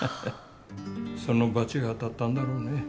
そのバチが当たったんだろうね。